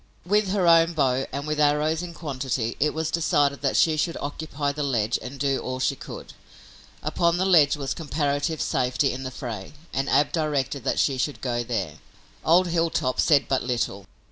With her own bow, and with arrows in quantity, it was decided that she should occupy the ledge and do all she could. Upon the ledge was comparative safety in the fray, and Ab directed that she should go there. Old Hilltop said but little.